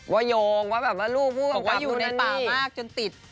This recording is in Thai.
ว่าโยงว่าลูกผู้กำกับนู่นในป่ามากจนติด